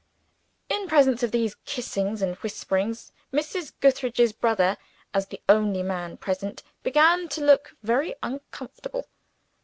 In presence of these kissings and whisperings, Mrs. Gootheridge's brother, as the only man present, began to look very uncomfortable.